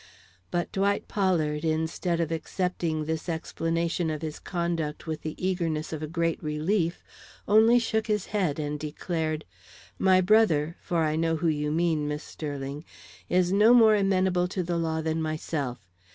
But Dwight Pollard, instead of accepting this explanation of his conduct with the eagerness of a great relief, only shook his head and declared: "My brother for I know who you mean, Miss Sterling is no more amenable to the law than myself.